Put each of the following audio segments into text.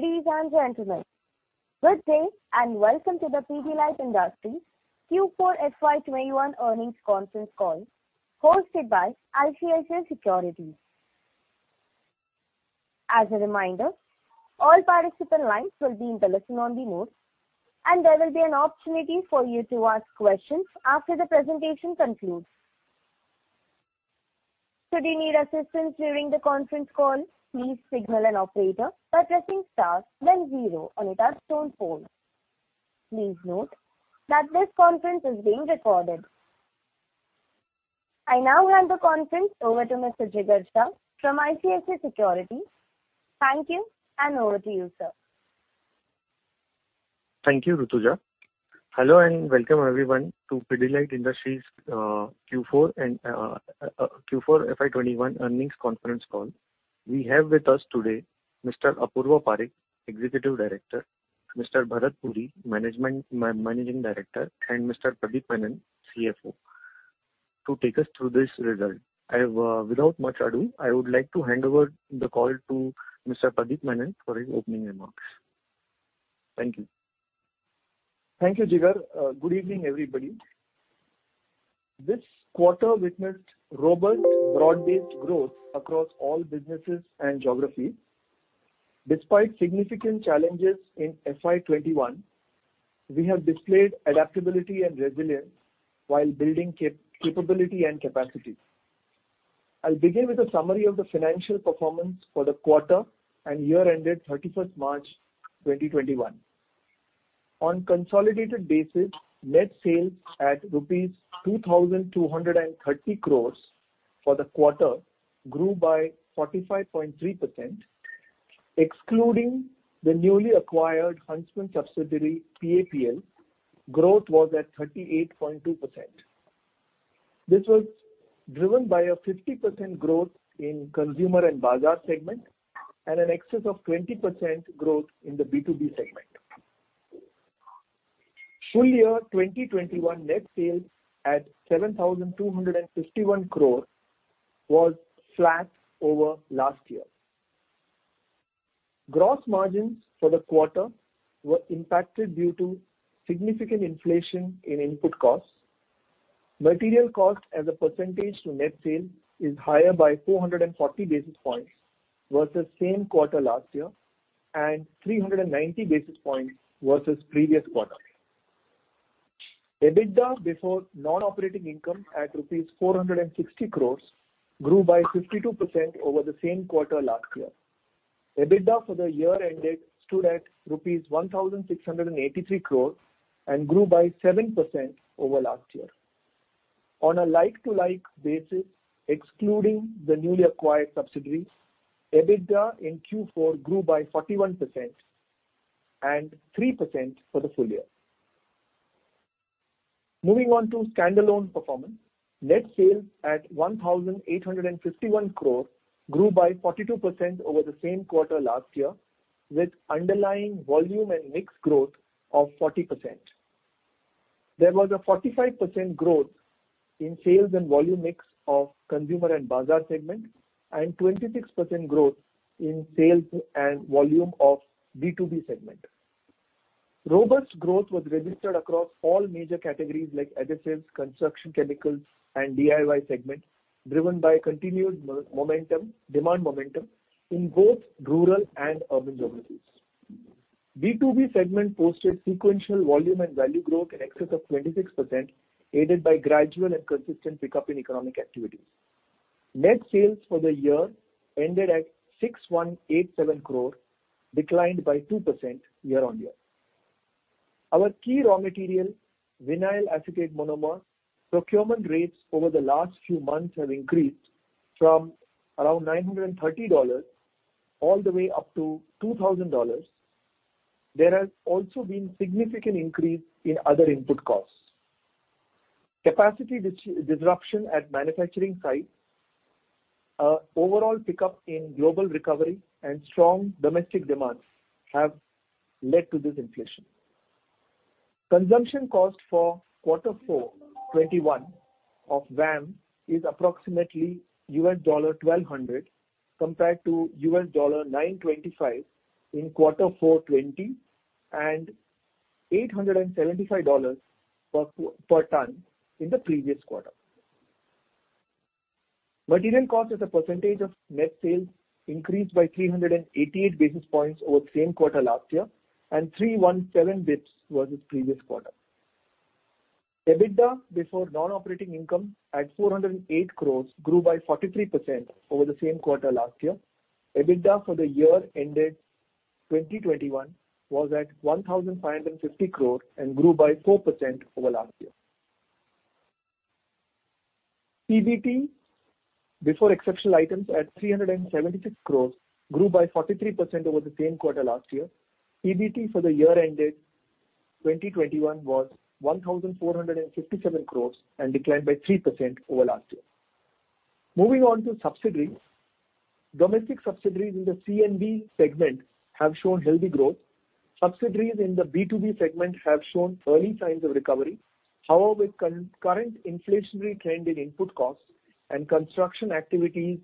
Ladies and gentlemen, good day, and welcome to the Pidilite Industries Q4 FY 2021 earnings conference call hosted by ICICI Securities. As a reminder, all participant lines will be in the listen-only mode, and there will be an opportunity for you to ask questions after the presentation concludes. Should you need assistance during the conference call, please signal an operator by pressing star then zero on your touch-tone phone. Please note that this conference is being recorded. I now hand the conference over to Mr. Jigar Shah from ICICI Securities. Thank you, and over to you, sir. Thank you, Rutuja. Hello, and welcome everyone to Pidilite Industries Q4 FY 2021 earnings conference call. We have with us today Mr. Apurva Parekh, Executive Director, Mr. Bharat Puri, Managing Director, and Mr. Pradip Menon, CFO to take us through this result. Without much ado, I would like to hand over the call to Mr. Pradip Menon for his opening remarks. Thank you. Thank you, Jigar. Good evening, everybody. This quarter witnessed robust broad-based growth across all businesses and geographies. Despite significant challenges in FY 2021, we have displayed adaptability and resilience while building capability and capacity. I'll begin with a summary of the financial performance for the quarter and year ended 31st March 2021. On consolidated basis, net sales at rupees 2,230 crore for the quarter grew by 45.3%. Excluding the newly acquired Huntsman subsidiary, PAPL, growth was at 38.2%. This was driven by a 50% growth in Consumer & Bazaar segment and an excess of 20% growth in the B2B segment. Full year 2021 net sales at 7,251 crore was flat over last year. Gross margins for the quarter were impacted due to significant inflation in input costs. Material cost as a percentage to net sales is higher by 440 basis points versus same quarter last year and 390 basis points versus previous quarter. EBITDA before non-operating income at rupees 460 crore grew by 52% over the same quarter last year. EBITDA for the year ended stood at rupees 1,683 crore and grew by 7% over last year. On a like-to-like basis, excluding the newly acquired subsidiaries, EBITDA in Q4 grew by 41% and 3% for the full year. Moving on to standalone performance. Net sales at 1,851 crore grew by 42% over the same quarter last year with underlying volume and mix growth of 40%. There was a 45% growth in sales and volume mix of Consumer & Bazaar segment and 26% growth in sales and volume of B2B segment. Robust growth was registered across all major categories like adhesives, construction chemicals and DIY segment, driven by continued demand momentum in both rural and urban geographies. B2B segment posted sequential volume and value growth in excess of 26%, aided by gradual and consistent pickup in economic activities. Net sales for the year ended at 6,187 crore, declined by 2% year-on-year. Our key raw material, vinyl acetate monomer, procurement rates over the last few months have increased from around $930 all the way up to $2,000. There has also been significant increase in other input costs. Capacity disruption at manufacturing sites, overall pickup in global recovery and strong domestic demands have led to this inflation. Consumption cost for quarter four 2021 of VAM is approximately $1,200 compared to $925 in quarter four 2020 and $875 per ton in the previous quarter. Material cost as a percentage of net sales increased by 388 basis points over the same quarter last year and 317 basis points versus previous quarter. EBITDA before non-operating income at 408 crore grew by 43% over the same quarter last year. EBITDA for the year ended 2021 was at 1,550 crore. Grew by 4% over last year. PBT before exceptional items at 376 crore grew by 43% over the same quarter last year. PBT for the year ended 2021 was 1,457 crore. Declined by 3% over last year. Moving on to subsidiaries. Domestic subsidiaries in the C&B segment have shown healthy growth. Subsidiaries in the B2B segment have shown early signs of recovery. Current inflationary trend in input costs and construction activities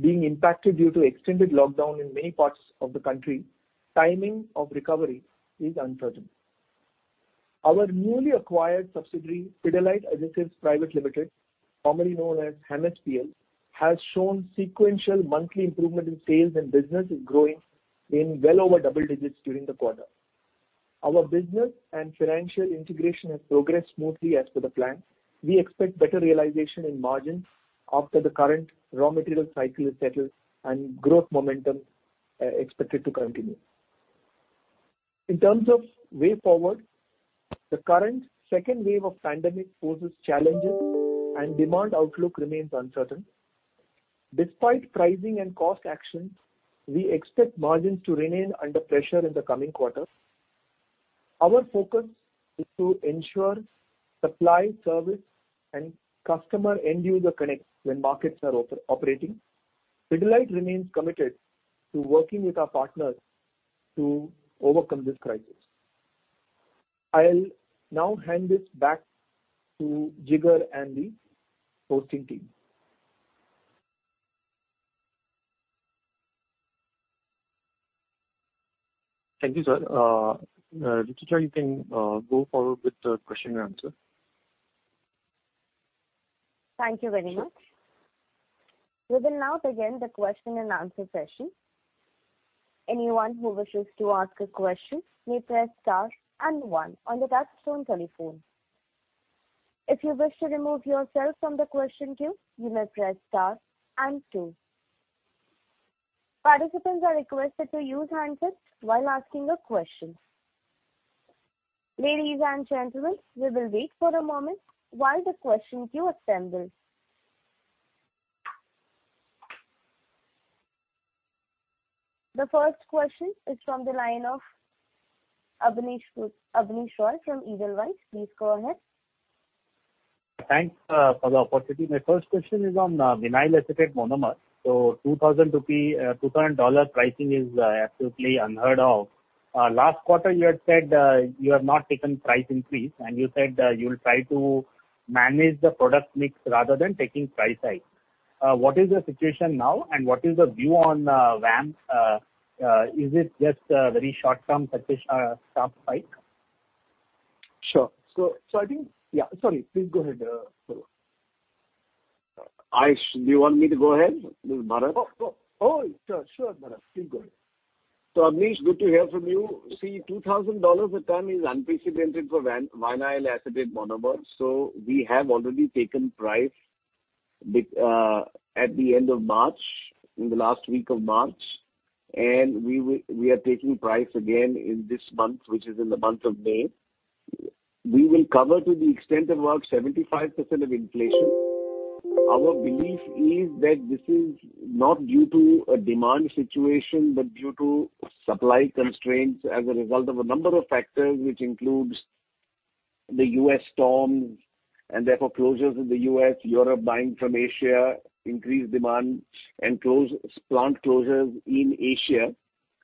being impacted due to extended lockdown in many parts of the country, timing of recovery is uncertain. Our newly acquired subsidiary, Pidilite Adhesives Private Limited, formerly known as HAMSPL, has shown sequential monthly improvement in sales and business is growing in well over double digits during the quarter. Our business and financial integration has progressed smoothly as per the plan. We expect better realization in margins after the current raw material cycle is settled and growth momentum expected to continue. In terms of way forward, the current second wave of pandemic poses challenges and demand outlook remains uncertain. Despite pricing and cost actions, we expect margins to remain under pressure in the coming quarters. Our focus is to ensure supply, service, and customer end-user connects when markets are operating. Pidilite remains committed to working with our partners to overcome this crisis. I will now hand this back to Jigar and the hosting team. Thank you, sir. Rutuja, you can go forward with the question and answer. Thank you very much. We will now begin the question and answer session. Anyone who wishes to ask a question please press star and one on the touch-tone telephone. If you wish to remove yourself from the question queue you may press star and two. Participants are requested to use handsets while asking the questions`. Ladies and gentlemen we will wait for a moment while the question queue is assembled. The first question is from the line of Abneesh Roy from Edelweiss. Please go ahead. Thanks for the opportunity. My first question is on vinyl acetate monomer, $2,000 pricing is absolutely unheard of. Last quarter, you had said you have not taken price increase, and you said that you will try to manage the product mix rather than taking price hike. What is the situation now, and what is the view on VAM? Is it just a very short-term sharp spike? Sure. I think Yeah, sorry. Please go ahead. Do you want me to go ahead, Bharat? Abneesh, good to hear from you. $2,000 a ton is unprecedented for vinyl acetate monomer. We have already taken price at the end of March, in the last week of March, and we are taking price again in this month, which is in the month of May. We will cover to the extent of about 75% of inflation. Our belief is that this is not due to a demand situation, but due to supply constraints as a result of a number of factors, which includes the U.S. storms, and therefore closures in the U.S., Europe buying from Asia, increased demand, and plant closures in Asia.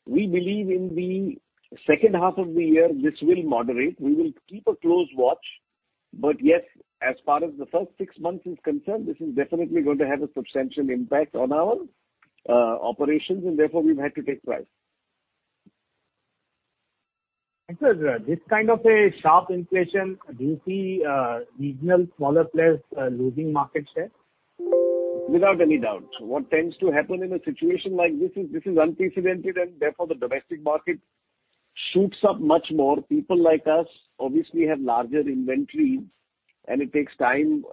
We believe in the second half of the year, this will moderate. We will keep a close watch. Yes, as far as the first six months is concerned, this is definitely going to have a substantial impact on our operations, and therefore, we've had to take price. This kind of a sharp inflation, do you see regional smaller players losing market share? Without any doubt. What tends to happen in a situation like this is, this is unprecedented, and therefore, the domestic market shoots up much more. People like us obviously have larger inventories, and it takes time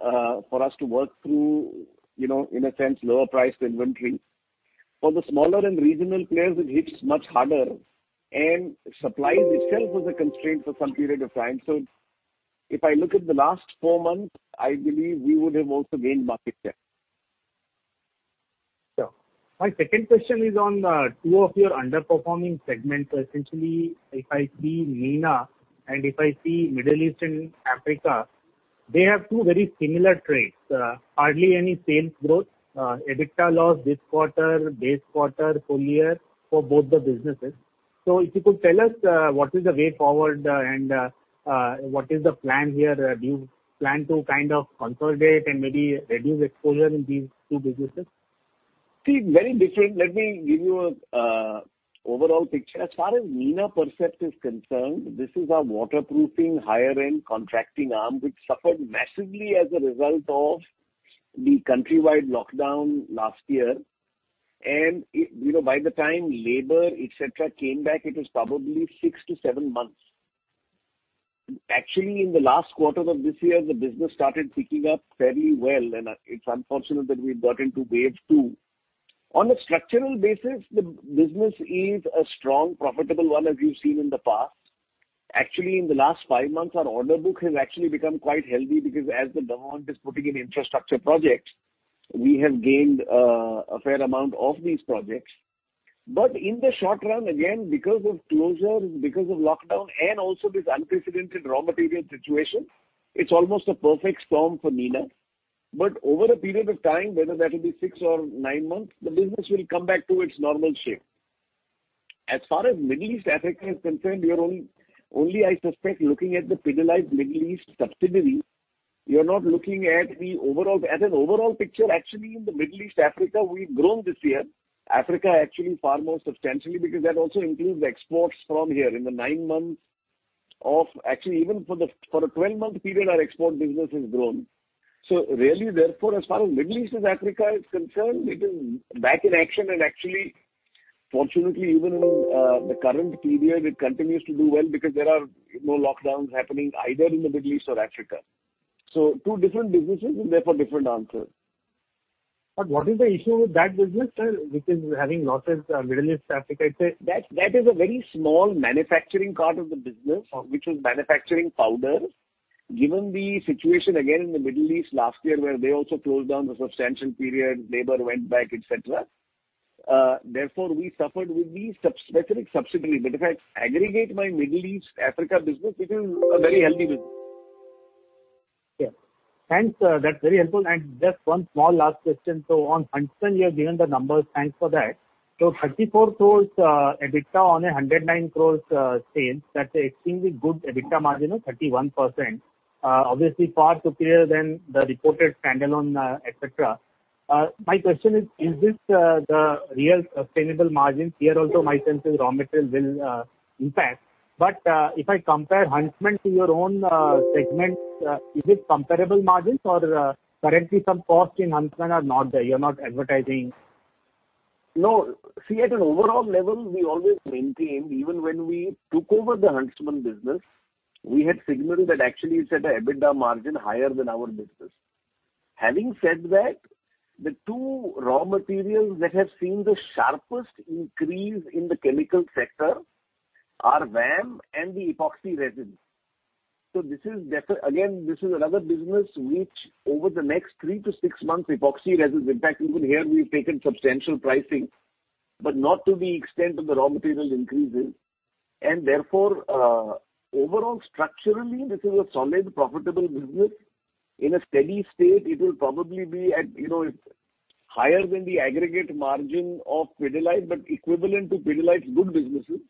for us to work through, in a sense, lower priced inventory. For the smaller and regional players, it hits much harder, and supply itself is a constraint for some period of time. If I look at the last four months, I believe we would have also gained market share. Sure. My second question is on two of your underperforming segments. Essentially, if I see Nina and if I see Middle East and Africa, they have two very similar traits. Hardly any sales growth, EBITDA loss this quarter, base quarter, full year for both the businesses. If you could tell us what is the way forward and what is the plan here? Do you plan to kind of consolidate and maybe reduce exposure in these two businesses? See, very different. Let me give you a overall picture. As far as Nina Percept is concerned, this is our waterproofing higher end contracting arm, which suffered massively as a result of the country-wide lockdown last year. By the time labor, et cetera, came back, it was probably six to seven months. Actually, in the last quarter of this year, the business started picking up fairly well. It's unfortunate that we got into wave two. On a structural basis, the business is a strong profitable one as you've seen in the past. Actually, in the last five months, our order book has actually become quite healthy because as the government is putting in infrastructure projects, we have gained a fair amount of these projects. In the short run, again, because of closures, because of lockdown, and also this unprecedented raw material situation, it's almost a perfect storm for MENA. But over a period of time, whether that will be six or nine months, the business will come back to its normal shape. As far as Middle East, Africa is concerned, you're only, I suspect, looking at the Pidilite Middle East subsidiary. You're not looking at as an overall picture, actually, in the Middle East, Africa, we've grown this year. Africa actually far more substantially because that also includes exports from here in the nine months of Actually, even for the 12-month period, our export business has grown. Really, therefore, as far as Middle East and Africa is concerned, it is back in action and actually, fortunately, even in the current period, it continues to do well because there are no lockdowns happening either in the Middle East or Africa. Two different businesses and therefore, different answers. What is the issue with that business, sir? Having lost it, Middle East, Africa, et cetera. That is a very small manufacturing part of the business, which was manufacturing powder. Given the situation again in the Middle East last year, where they also closed down for a substantial period, labor went back, et cetera. We suffered with the specific subsidiary. If I aggregate my Middle East, Africa business, it is a very healthy business. Thanks, sir. That's very helpful. Just one small last question. On Huntsman, you have given the numbers. Thanks for that. 34 crore EBITDA on 109 crore sales, that's extremely good EBITDA margin of 31%. Obviously far superior than the reported standalone et cetera. My question is this the real sustainable margin? Here also, my sense is raw material will impact. If I compare Huntsman to your own segments, is it comparable margin or currently some costs in Huntsman are not there? You're not advertising. No. See, at an overall level, we always maintained, even when we took over the Huntsman business, we had signaled that actually it's at an EBITDA margin higher than our business. Having said that, the two raw materials that have seen the sharpest increase in the chemical sector are VAM and the epoxy resin. Again, this is another business which over the next three to six months, epoxy resin, in fact, even here we've taken substantial pricing, but not to the extent of the raw material increases. Therefore, overall structurally, this is a solid, profitable business. In a steady state, it will probably be at higher than the aggregate margin of Pidilite, but equivalent to Pidilite's good businesses.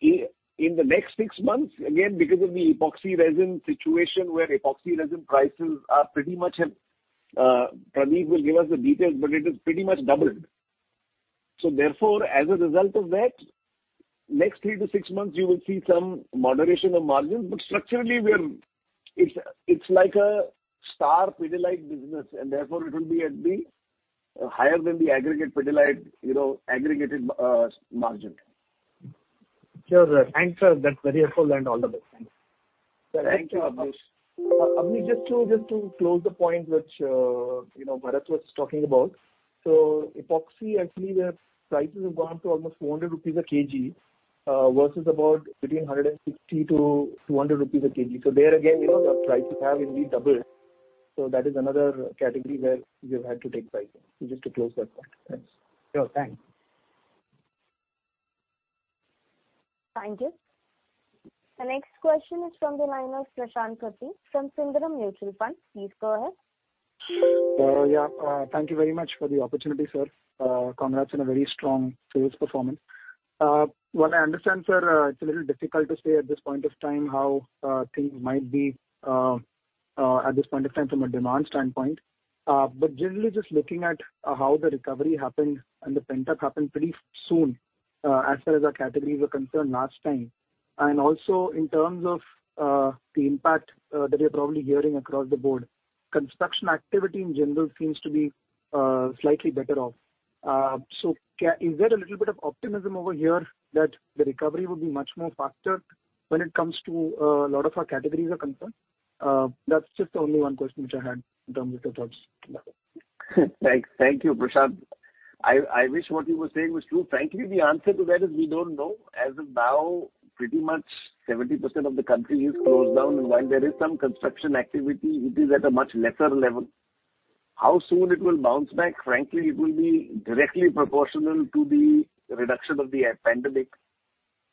In the next six months, again, because of the epoxy resin situation where epoxy resin prices are pretty much Pradip Menon will give us the details, but it is pretty much doubled. As a result of that, next three to six months, you will see some moderation of margins, but structurally it's like a star Pidilite business, therefore, it will be at the higher than the aggregate Pidilite aggregated margin. Sure. Thanks, sir. That's very helpful and all the best. Thanks. Thank you, Abneesh. Abneesh, just to close the point which Bharat was talking about. epoxy, actually, their prices have gone up to almost 400 rupees a kg, versus about between 160 to 200 rupees a kg. there again, the prices have indeed doubled. That is another category where we had to take price hike. Just to close that point. Thanks. Sure. Thanks. Thank you. The next question is from the line of Prashant Kutty from Sundaram Mutual Fund. Please go ahead. Thank you very much for the opportunity, sir. Congrats on a very strong sales performance. What I understand, sir, it's a little difficult to say at this point of time how things might be at this point of time from a demand standpoint. Generally, just looking at how the recovery happened and the pent-up happened pretty soon, as far as our categories were concerned last time, and also in terms of the impact that you're probably hearing across the board. Construction activity in general seems to be slightly better off. Is there a little bit of optimism over here that the recovery would be much more faster when it comes to a lot of our categories are concerned? That's just the only one question which I had in terms of thoughts. Thank you, Prashant. I wish what you were saying was true. Frankly, the answer to that is we don't know. As of now, pretty much 70% of the country is closed down, and while there is some construction activity, it is at a much lesser level. How soon it will bounce back? Frankly, it will be directly proportional to the reduction of the pandemic.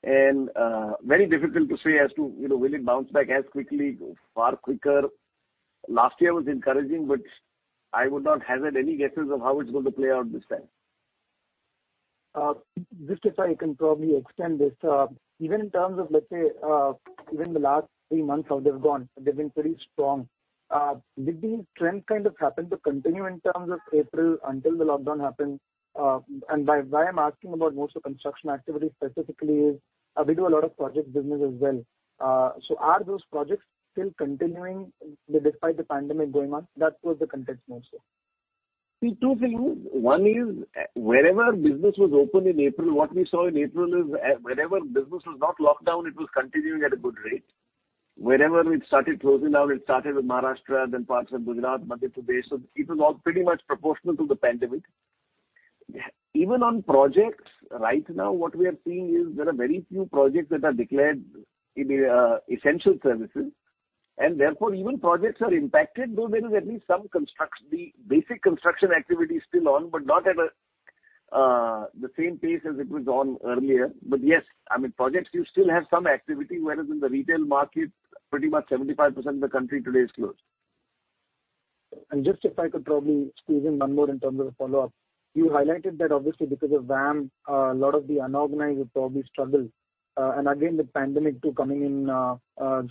Very difficult to say as to, will it bounce back as quickly, far quicker? Last year was encouraging, but I would not hazard any guesses of how it's going to play out this time. Just if I can probably extend this. Even in terms of, let's say, even the last three months, how they've gone, they've been pretty strong. Did the trend kind of happen to continue in terms of April until the lockdown happened? Why I'm asking about more so construction activity specifically is, we do a lot of project business as well. Are those projects still continuing despite the pandemic going on? That was the context more so. Two things. One is, wherever business was open in April, what we saw in April is wherever business was not locked down, it was continuing at a good rate. Wherever it started closing down, it started with Maharashtra, then parts of Gujarat, Madhya Pradesh. It was all pretty much proportional to the pandemic. Even on projects, right now what we are seeing is there are very few projects that are declared essential services, and therefore even projects are impacted, though there is at least some basic construction activity is still on, but not at the same pace as it was on earlier. Yes, projects you still have some activity, whereas in the retail market, pretty much 75% of the country today is closed. Just if I could probably squeeze in one more in terms of a follow-up. You highlighted that obviously because of VAM, a lot of the unorganized would probably struggle. Again, the pandemic too, the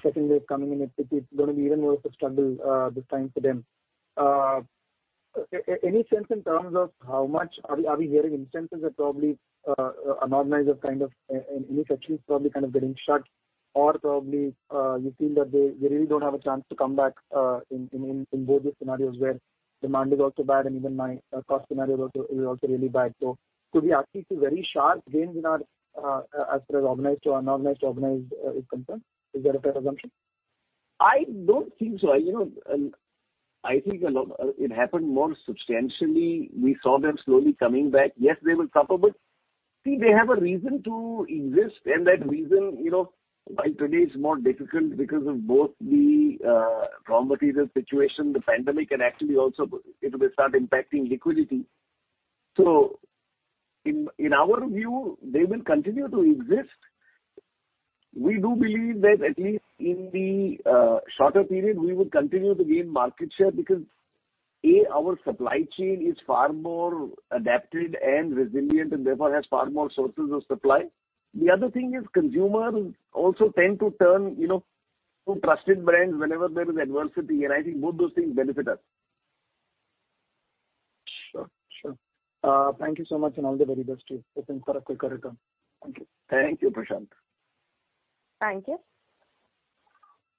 second wave coming in, it's going to be even more of a struggle this time for them. Any sense in terms of how much are we hearing instances that probably unorganized are in this actually probably kind of getting shut, or probably you feel that they really don't have a chance to come back in both these scenarios where demand is also bad and even my cost scenario is also really bad? Could we actually see very sharp gains in our, as far as organized to unorganized is concerned? Is that a fair assumption? I don't think so. I think it happened more substantially. We saw them slowly coming back. Yes, they will suffer, but see, they have a reason to exist. That reason, while today is more difficult because of both the raw material situation, the pandemic, and actually also it will start impacting liquidity. In our view, they will continue to exist. We do believe that at least in the shorter period, we will continue to gain market share because, A, our supply chain is far more adapted and resilient and therefore has far more sources of supply. The other thing is consumers also tend to turn to trusted brands whenever there is adversity, and I think both those things benefit us. Sure. Thank you so much, and all the very best to you. Hoping for a quicker return. Thank you. Thank you, Prashant. Thank you.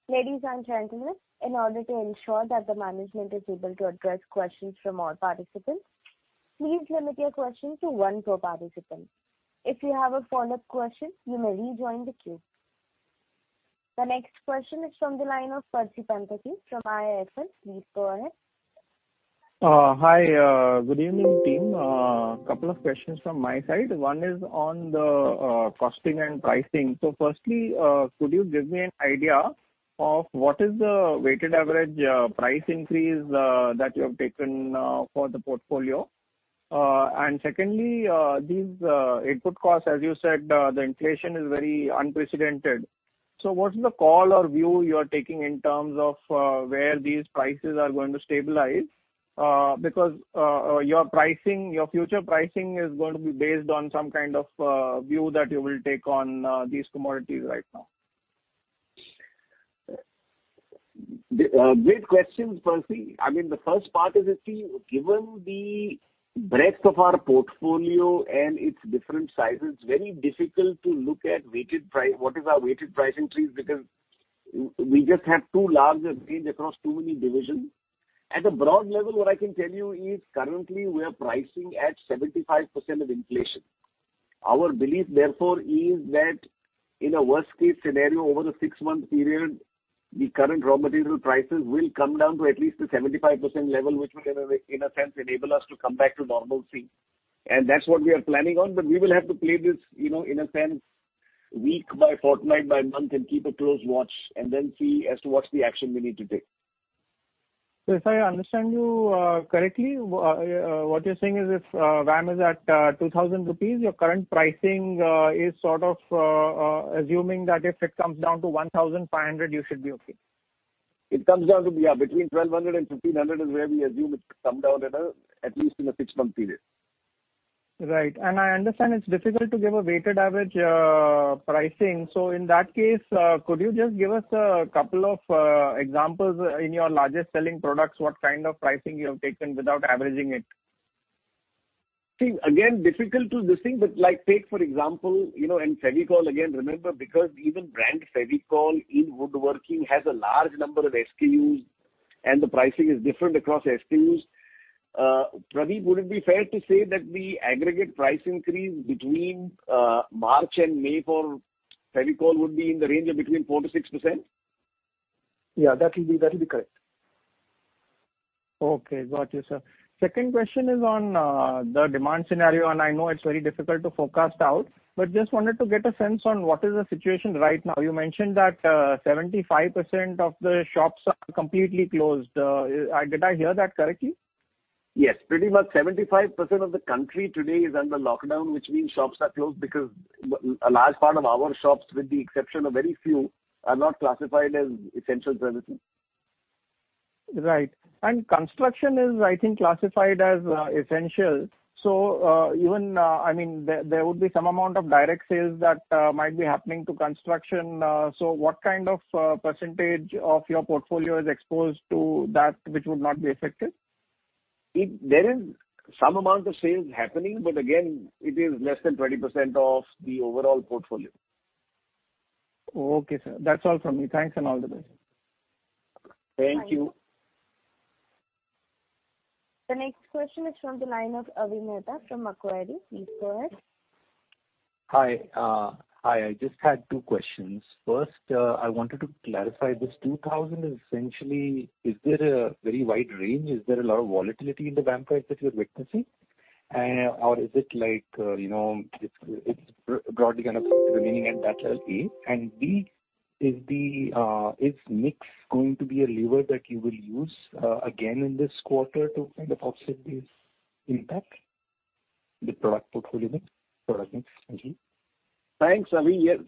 Ladies and gentlemen, in order to ensure that the management is able to address questions from all participants, please limit your questions to one per participant. If you have a follow-up question, you may rejoin the queue. The next question is from the line of Percy Panthaki from IIFL. Please go ahead. Hi, good evening, team. A couple of questions from my side. One is on the costing and pricing. Firstly, could you give me an idea of what is the weighted average price increase that you have taken for the portfolio? Secondly, these input costs, as you said, the inflation is very unprecedented. What is the call or view you are taking in terms of where these prices are going to stabilize? Because your future pricing is going to be based on some kind of view that you will take on these commodities right now. Great questions, Percy. The first part is, see, given the breadth of our portfolio and its different sizes, it's very difficult to look at what is our weighted price increase because we just have too large a range across too many divisions. At a broad level, what I can tell you is currently we are pricing at 75% of inflation. Our belief, therefore, is that in a worst-case scenario, over the six-month period, the current raw material prices will come down to at least a 75% level, which will in a sense enable us to come back to normalcy. That's what we are planning on. We will have to play this, in a sense, week by fortnight by month and keep a close watch, and then see as to what's the action we need to take. If I understand you correctly, what you're saying is if VAM is at 2,000 rupees, your current pricing is sort of assuming that if it comes down to 1,500, you should be okay. It comes down to, yeah, between $1,200 and $1,500 is where we assume it come down at least in a six-month period. Right. I understand it's difficult to give a weighted average pricing. In that case, could you just give us a couple of examples in your largest-selling products, what kind of pricing you have taken without averaging it? See, again, difficult to distinguish. Take for example, in Fevicol, again, remember, because even brand Fevicol in woodworking has a large number of SKUs and the pricing is different across SKUs. Pradip, would it be fair to say that the aggregate price increase between March and May for Fevicol would be in the range of between 4%-6%? Yeah, that will be correct. Okay. Got you, sir. Second question is on the demand scenario. I know it's very difficult to forecast out, just wanted to get a sense on what is the situation right now. You mentioned that 75% of the shops are completely closed. Did I hear that correctly? Yes. Pretty much 75% of the country today is under lockdown, which means shops are closed because a large part of our shops, with the exception of very few, are not classified as "Essential services". Right. Construction is, I think, classified as essential. Even there would be some amount of direct sales that might be happening to construction. What kind of percentage of your portfolio is exposed to that which would not be affected? There is some amount of sales happening, but again, it is less than 20% of the overall portfolio. Okay, sir. That's all from me. Thanks, and all the best. Thank you. The next question is from the line of Avi Mehta from Macquarie. Please go ahead. Hi. I just had two questions. First, I wanted to clarify this $2,000 essentially, is there a very wide range? Is there a lot of volatility in the VAM price that you're witnessing? Or is it like it's broadly kind of remaining at that level, A? B, is mix going to be a lever that you will use again in this quarter to kind of offset the impact? The product portfolio mix, product mix. Thanks. There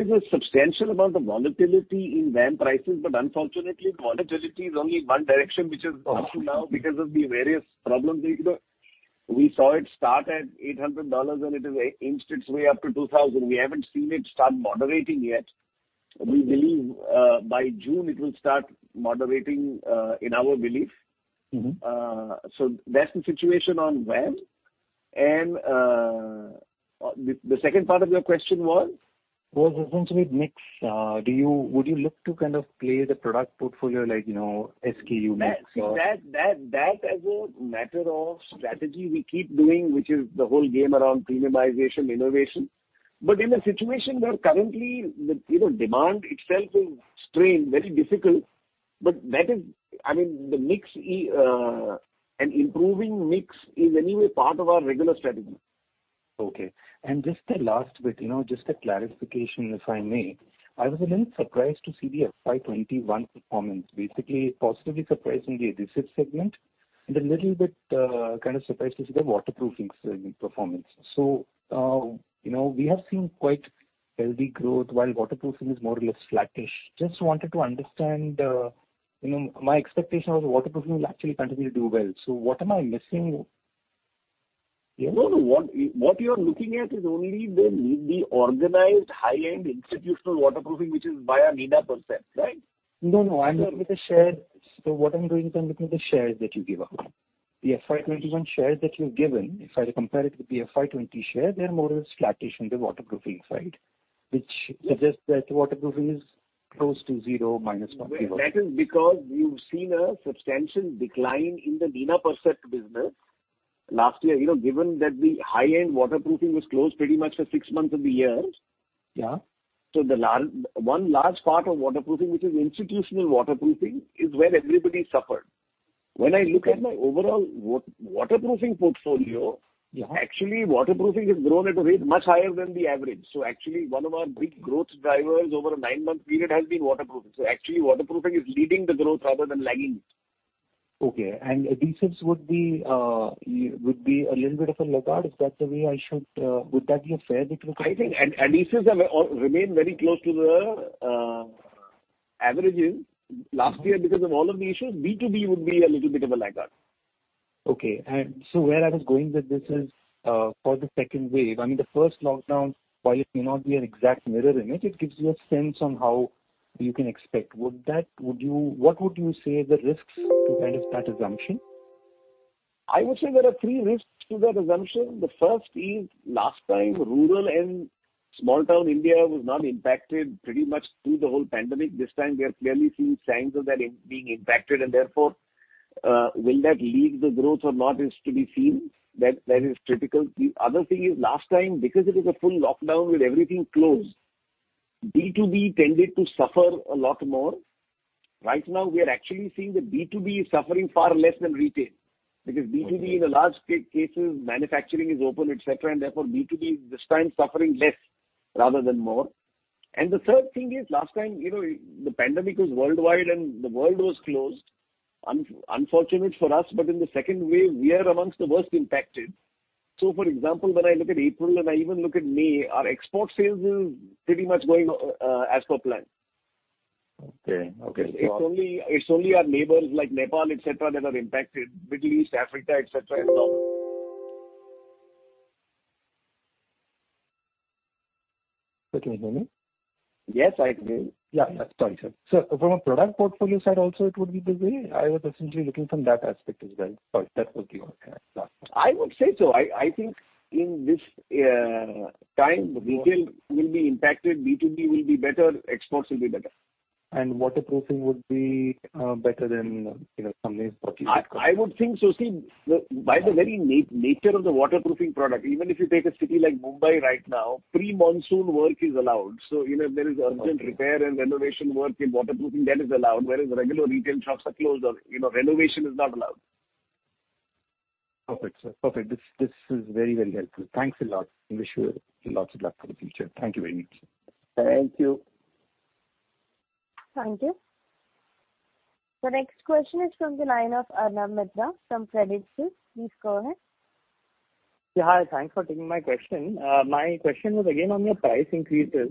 is a substantial amount of volatility in VAM prices, unfortunately, volatility is only one direction, which is up now because of the various problems. We saw it start at $800 and it has inched its way up to $2,000. We haven't seen it start moderating yet. We believe by June it will start moderating, in our belief. That's the situation on VAM. The second part of your question was? Was essentially mix. Would you look to play the product portfolio like SKU mix? That, as a matter of strategy, we keep doing, which is the whole game around premiumization, innovation. In a situation where currently the demand itself is strained, very difficult. An improving mix is anyway part of our regular strategy. Okay. Just the last bit, just a clarification, if I may. I was a little surprised to see the FY 2021 performance. Basically, positively surprised in the adhesive segment, and a little bit kind of surprised to see the waterproofing segment performance. We have seen quite healthy growth, while waterproofing is more or less flattish. Just wanted to understand. My expectation was waterproofing will actually continue to do well. What am I missing here? No, what you are looking at is only the organized high-end institutional waterproofing, which is via Nina Percept, right? No. What I'm doing is I'm looking at the shares that you give out. The FY 2021 shares that you've given, if I compare it with the FY 2020 share, they are more or less flattish on the waterproofing side, which suggests that waterproofing is close to zero, -1. That is because you've seen a substantial decline in the Nina Percept business. Last year, given that the high-end waterproofing was closed pretty much for six months of the year. Yeah. One large part of waterproofing, which is institutional waterproofing, is where everybody suffered. When I look at my overall waterproofing portfolio. Yeah. Actually, waterproofing has grown at a rate much higher than the average. Actually, one of our big growth drivers over a nine-month period has been waterproofing. Actually, waterproofing is leading the growth rather than lagging. Okay. Adhesives would be a little bit of a laggard. Would that be a fair conclusion? I think adhesives have remained very close to the averages. Last year, because of all of the issues, B2B would be a little bit of a laggard. Okay. Where I was going with this is for the second wave. The first lockdown, while it may not be an exact mirror image, it gives you a sense on how you can expect. What would you say are the risks to kind of that assumption? I would say there are three risks to that assumption. The first is last time, rural and small-town India was not impacted pretty much through the whole pandemic. This time, we are clearly seeing signs of that being impacted, and therefore, will that lead the growth or not is to be seen. That is critical. The other thing is last time, because it was a full lockdown with everything closed, B2B tended to suffer a lot more. Right now, we are actually seeing that B2B is suffering far less than retail, because B2B in large cases, manufacturing is open, et cetera, and therefore B2B is this time suffering less rather than more. The third thing is last time, the pandemic was worldwide and the world was closed. Unfortunate for us, but in the second wave, we are amongst the worst impacted. For example, when I look at April and I even look at May, our export sales is pretty much going as per plan. Okay. It's only our neighbors like Nepal, et cetera, that are impacted. Middle East, Africa, et cetera, is normal. You can hear me? Yes, I can hear you. Yeah. Sorry, sir. From a product portfolio side also it would be the way? I was essentially looking from that aspect as well. Sorry, that was the whole point. I would say so. I think in this time, retail will be impacted, B2B will be better, exports will be better. Waterproofing would be better than some of the other products? I would think so. By the very nature of the waterproofing product, even if you take a city like Mumbai right now, pre-monsoon work is allowed. If there is urgent repair and renovation work in waterproofing, that is allowed, whereas regular retail shops are closed or renovation is not allowed. Perfect, sir. This is very helpful. Thanks a lot, and wish you lots of luck for the future. Thank you very much. Thank you. Thank you. The next question is from the line of Arnab Mitra from Credit Suisse. Please go ahead. Yeah, hi. Thanks for taking my question. My question was again on your price increases.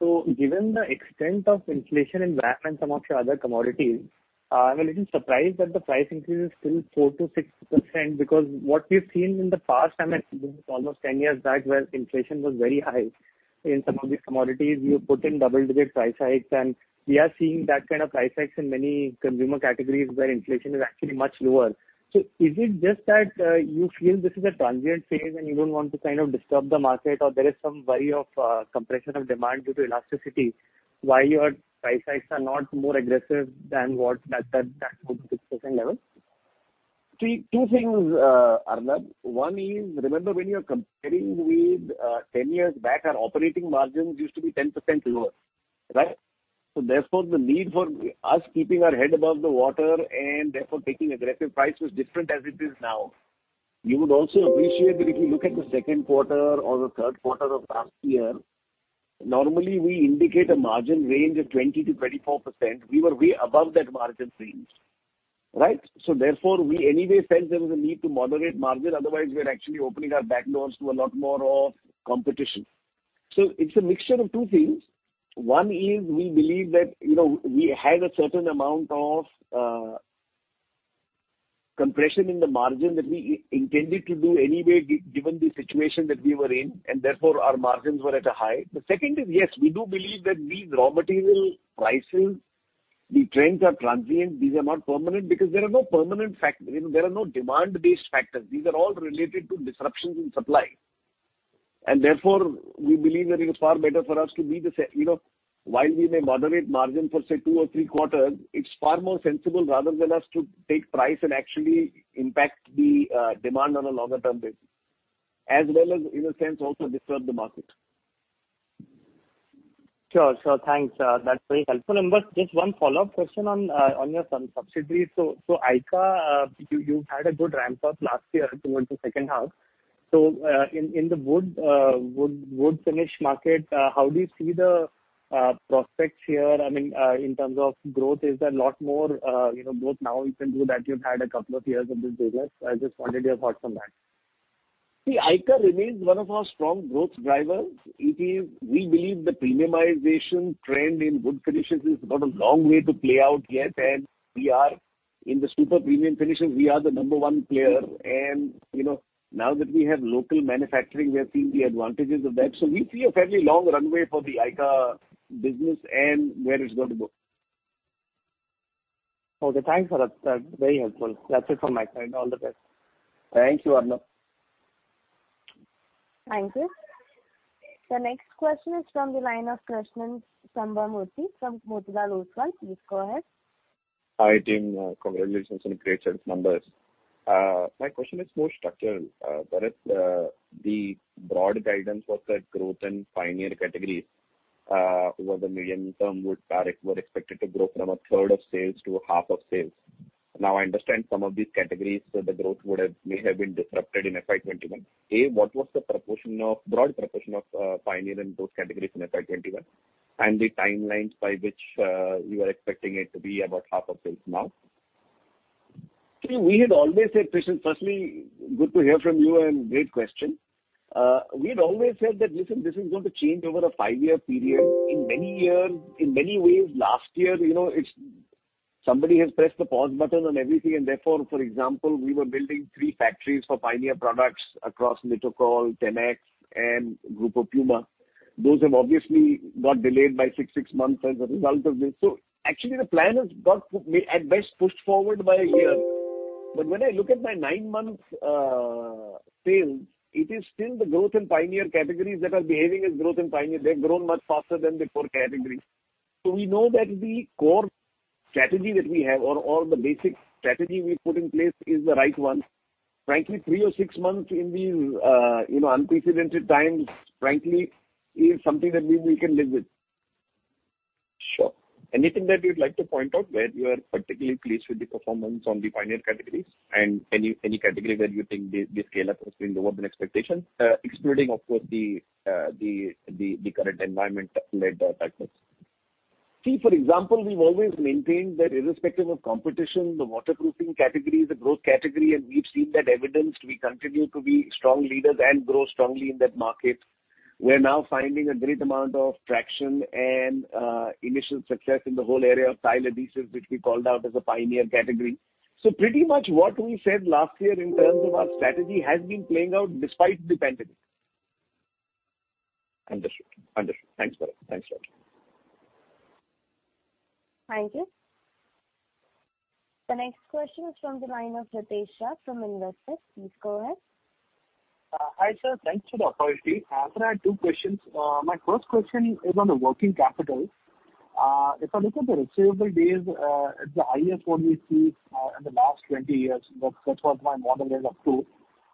Given the extent of inflation in VAM and some of your other commodities, I'm a little surprised that the price increase is still 4%-6%, because what we've seen in the past, and even almost 10 years back, where inflation was very high in some of these commodities, you put in double-digit price hikes, and we are seeing that kind of price hikes in many consumer categories where inflation is actually much lower. Is it just that you feel this is a transient phase and you don't want to kind of disturb the market? Or there is some worry of compression of demand due to elasticity, why your price hikes are not more aggressive than what that 6% level? Two things, Arnab. One is, remember when you're comparing with 10 years back, our operating margins used to be 10% lower. Therefore, the need for us keeping our head above the water and therefore taking aggressive price was different as it is now. You would also appreciate that if you look at the second quarter or the third quarter of last year, normally we indicate a margin range of 20%-24%. We were way above that margin range. Right. Therefore, we anyway felt there was a need to moderate margin, otherwise we're actually opening our back doors to a lot more competition. It's a mixture of two things. One is we believe that we had a certain amount of compression in the margin that we intended to do anyway, given the situation that we were in, therefore, our margins were at a high. The second is, yes, we do believe that these raw material prices, the trends are transient. These are not permanent because there are no demand-based factors. These are all related to disruptions in supply. Therefore, we believe that it is far better for us While we may moderate margin for, say, two or three quarters, it's far more sensible rather than us to take price and actually impact the demand on a longer term basis, as well as, in a sense, also disturb the market. Sure. Thanks. That's very helpful. Bharat, just one follow-up question on your subsidiaries. ICA, you've had a good ramp-up last year towards the second half. In the wood finish market, how do you see the prospects here? In terms of growth, is there a lot more growth now, even though that you've had a couple of years of this business? I just wanted your thoughts on that. ICA remains one of our strong growth drivers. We believe the premiumization trend in wood finishes has got a long way to play out yet, and in the super premium finishes, we are the number one player. Now that we have local manufacturing, we are seeing the advantages of that. We see a fairly long runway for the ICA business and where it's going to book. Okay, thanks for that. That's very helpful. That's it from my side. All the best. Thank you, Arnab. Thank you. The next question is from the line of Krishnan Sambamoorthy from Motilal Oswal. Please go ahead. Hi, team. Congratulations on great set of numbers. My question is more structural. Bharat, the broad guidance was that growth in pioneer categories over the medium term were expected to grow from a third of sales to half of sales. Now, I understand some of these categories, the growth may have been disrupted in FY 2021. A, what was the broad proportion of pioneer in those categories in FY 2021? The timelines by which you are expecting it to be about half of sales now. We had always said, Krishnan, firstly, good to hear from you and great question. We had always said that, listen, this is going to change over a five-year period. In many ways, last year, somebody has pressed the pause button on everything, and therefore, for example, we were building three factories for pioneer products across Litokol, Tenax, and Grupo Puma. Those have obviously got delayed by six months as a result of this. Actually, the plan has got, at best, pushed forward by a year. When I look at my nine-month sales, it is still the growth in pioneer categories that are behaving as growth in pioneer. They've grown much faster than the core categories. We know that the core strategy that we have or all the basic strategy we put in place is the right one. Frankly, three or six months in these unprecedented times, frankly, is something that we can live with. Sure. Anything that you'd like to point out where you are particularly pleased with the performance on the pioneer categories and any category where you think the scale-up has been lower than expectation? Excluding, of course, the current environment that made that happen. See, for example, we've always maintained that irrespective of competition, the waterproofing category is a growth category, and we've seen that evidenced. We continue to be strong leaders and grow strongly in that market. We're now finding a great amount of traction and initial success in the whole area of tile adhesives, which we called out as a pioneer category. Pretty much what we said last year in terms of our strategy has been playing out despite the pandemic. Understood. Thanks, Bharat. Thank you. The next question is from the line of Ritesh Shah from Investec. Please go ahead. Hi, sir. Thanks for the opportunity. Sir, I had two questions. My first question is on the working capital. If I look at the receivable days, it's the highest what we see in the last 20 years. That's what my model adds up to.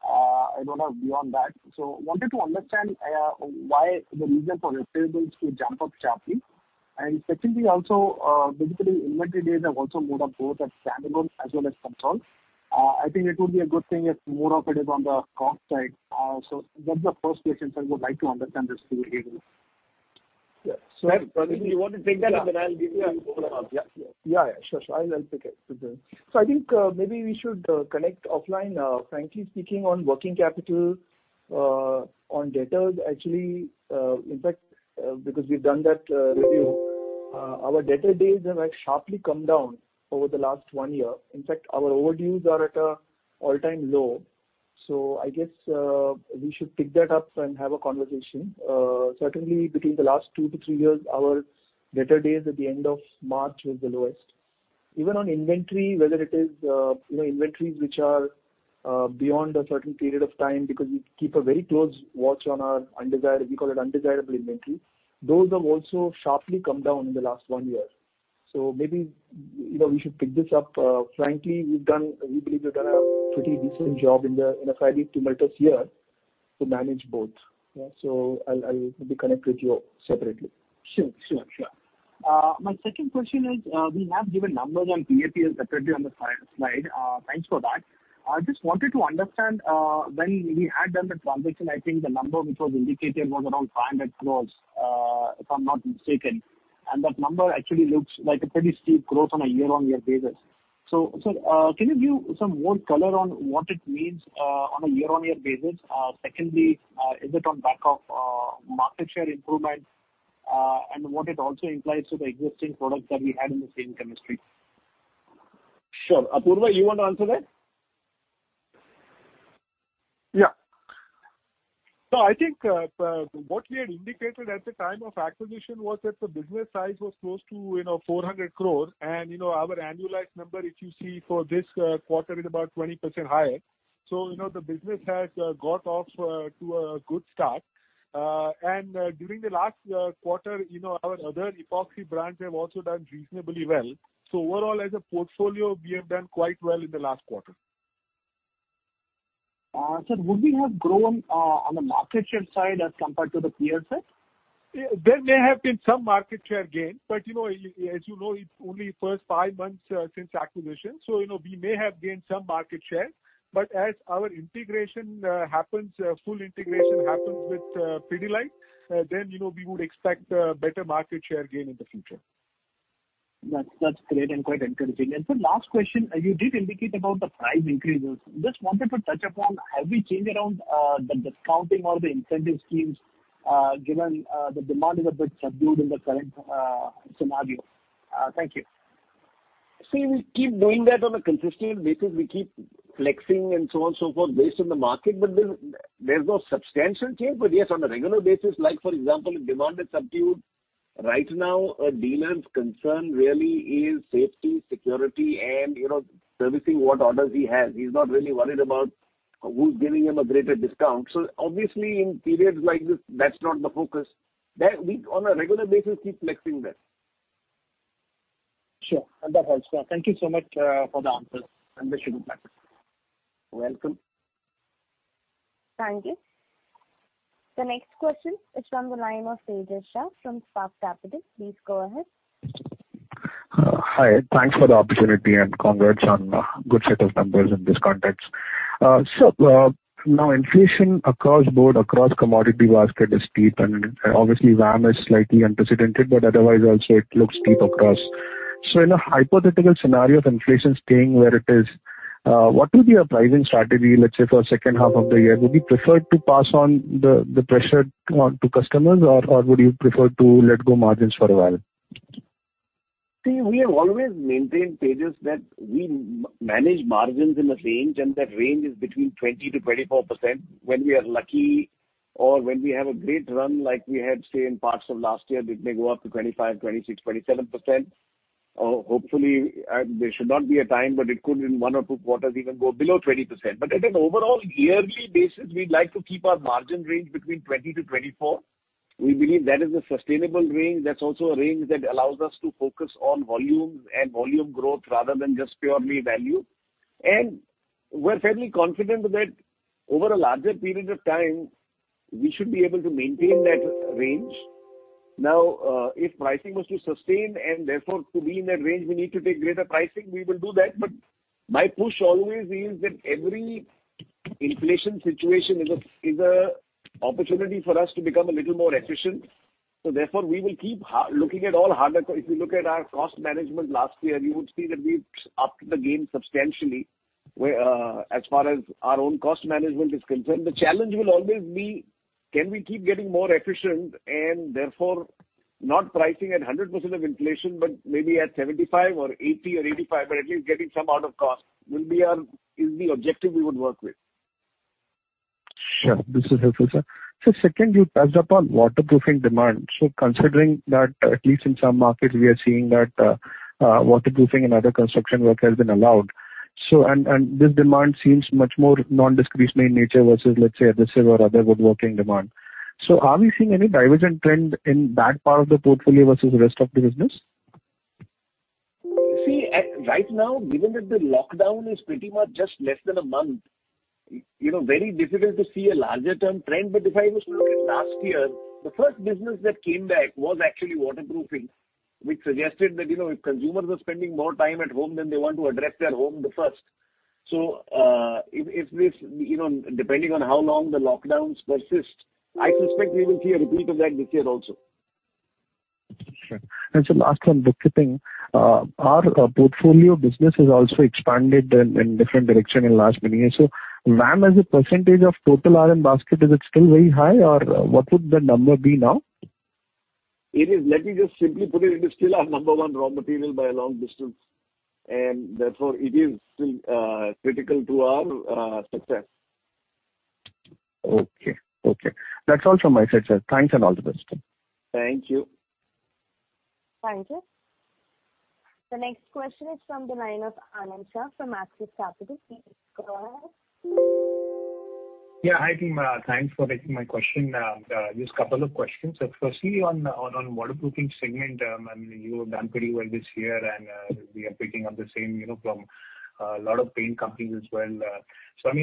I don't have beyond that. Wanted to understand the reason for receivables to jump up sharply. Secondly, also, basically, inventory days have also moved up both at standalone as well as Consolidated. I think it would be a good thing if more of it is on the cost side. That's the first question, sir. Would like to understand this behavior. Yes. If you want to take that up, then I'll give you more. Yeah, sure. I'll take it. I think maybe we should connect offline. Frankly speaking, on working capital, on debtors, actually, in fact, because we've done that review. Our debtor days have sharply come down over the last one year. In fact, our overdues are at an all-time low. I guess we should pick that up and have a conversation. Certainly, between the last two to three years, our debtor days at the end of March was the lowest. Even on inventory, whether it is inventories which are beyond a certain period of time because we keep a very close watch on our undesirable, we call it undesirable inventory. Those have also sharply come down in the last one year. Maybe, we should pick this up. Frankly, we believe we've done a pretty decent job in a fairly tumultuous year to manage both. Yeah. I'll maybe connect with you separately. Sure. My second question is, we have given numbers on PAPL separately on the slide. Thanks for that. I just wanted to understand, when we had done the transaction, I think the number which was indicated was around 500 crore, if I'm not mistaken, and that number actually looks like a pretty steep growth on a year-on-year basis. Can you give some more color on what it means on a year-on-year basis? Secondly, is it on back of market share improvement? And what it also implies to the existing product that we had in the same chemistry? Sure. Apurva, you want to answer that? Yeah. I think what we had indicated at the time of acquisition was that the business size was close to 400 crore and our annualized number, if you see for this quarter, is about 20% higher. The business has got off to a good start. During the last quarter, our other epoxy brands have also done reasonably well. Overall, as a portfolio, we have done quite well in the last quarter. Sir, would we have grown on the market share side as compared to the peer set? There may have been some market share gain, but as you know, it is only first five months since acquisition, so we may have gained some market share. As our full integration happens with Pidilite, then we would expect better market share gain in the future. That's great and quite encouraging. Sir, last question. You did indicate about the price increases. Just wanted to touch upon, have we changed around the discounting or the incentive schemes, given the demand is a bit subdued in the current scenario? Thank you. See, we keep doing that on a consistent basis. We keep flexing and so on, so forth, based on the market. There's no substantial change. Yes, on a regular basis, like for example, if demand is subdued right now, a dealer's concern really is safety, security, and servicing what orders he has. He's not really worried about who's giving him a greater discount. Obviously in periods like this, that's not the focus. We, on a regular basis, keep flexing that. Sure. That helps. Thank you so much for the answers, and wish you good luck. Welcome. Thank you. The next question is from the line of Tejas Shah from Spark Capital. Please go ahead. Hi. Thanks for the opportunity and congrats on a good set of numbers in this context. Now inflation across board, across commodity basket is steep, and obviously VAM is slightly unprecedented, but otherwise also it looks steep across. In a hypothetical scenario of inflation staying where it is, what will be your pricing strategy, let's say for second half of the year? Would you prefer to pass on the pressure to customers or would you prefer to let go margins for a while? We have always maintained, Tejas, that we manage margins in a range, and that range is between 20%-24%. When we are lucky or when we have a great run like we had, say, in parts of last year, it may go up to 25%, 26%, 27%. Hopefully, there should not be a time, but it could in one or two quarters even go below 20%. At an overall yearly basis, we'd like to keep our margin range between 20%-24%. We believe that is a sustainable range. That's also a range that allows us to focus on volume and volume growth rather than just purely value. We're fairly confident that over a larger period of time, we should be able to maintain that range. If pricing was to sustain and therefore to be in that range, we need to take greater pricing. We will do that. My push always is that every inflation situation is an opportunity for us to become a little more efficient. Therefore, we will keep looking at all hard. If you look at our cost management last year, you would see that we've upped the game substantially as far as our own cost management is concerned. The challenge will always be can we keep getting more efficient and therefore not pricing at 100% of inflation, but maybe at 75% or 80% or 85%. At least getting some out of cost is the objective we would work with. Sure. This is helpful, sir. Second, you touched upon waterproofing demand. Considering that at least in some markets we are seeing that waterproofing and other construction work has been allowed. This demand seems much more non-discretionary in nature versus, let's say, adhesive or other woodworking demand. Are we seeing any divergent trend in that part of the portfolio versus the rest of the business? Right now, given that the lockdown is pretty much just less than a month, very difficult to see a larger term trend. If I was to look at last year, the first business that came back was actually waterproofing, which suggested that if consumers are spending more time at home, then they want to address their home the first. If this, depending on how long the lockdowns persist, I suspect we will see a repeat of that this year also. Sure. Last on bookkeeping. Our portfolio business has also expanded in different direction in last many years. VAM as a percentage of total RM basket, is it still very high or what would the number be now? It is. Let me just simply put it is still our number one raw material by a long distance, and therefore it is still critical to our success. Okay. That's all from my side, sir. Thanks and all the best. Thank you. Thank you. The next question is from the line of Anand Shah from Axis Capital. Please go ahead. Hi, team. Thanks for taking my question. Just couple of questions. Firstly, on waterproofing segment, you have done pretty well this year and we are picking up the same from. A lot of paint companies as well. Are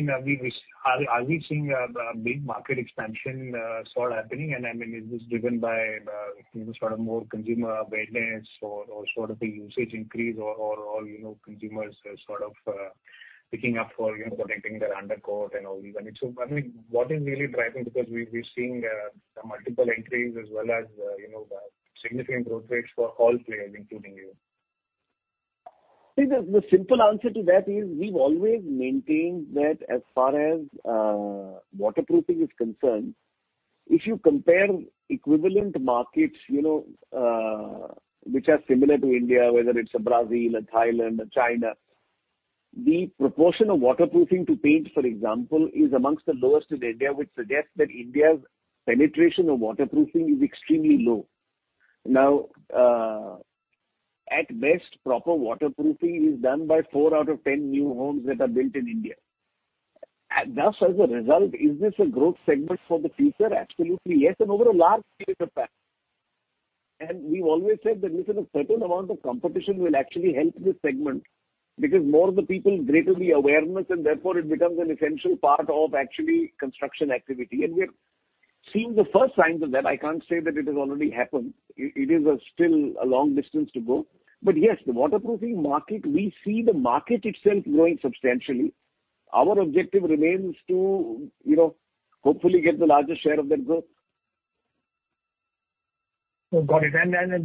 we seeing a big market expansion sort of happening, and is this driven by sort of more consumer awareness or sort of the usage increase or consumers sort of picking up for protecting their undercoat and all these? What is really driving, because we're seeing some multiple entries as well as significant growth rates for all players, including you? See, the simple answer to that is we've always maintained that as far as waterproofing is concerned, if you compare equivalent markets which are similar to India, whether it's Brazil or Thailand or China, the proportion of waterproofing to paint, for example, is amongst the lowest in India, which suggests that India's penetration of waterproofing is extremely low. Now, at best, proper waterproofing is done by four out of 10 new homes that are built in India. Thus, as a result, is this a growth segment for the future? Absolutely, yes, and over a large period of time. And we've always said that a certain amount of competition will actually help this segment because more the people, greater the awareness, and therefore it becomes an essential part of actually construction activity. And we're seeing the first signs of that. I can't say that it has already happened. It is still a long distance to go. Yes, the waterproofing market, we see the market itself growing substantially. Our objective remains to hopefully get the largest share of that growth. Got it.